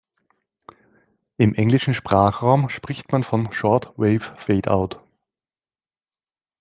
Im englischen Sprachraum spricht man von "short wave fadeout".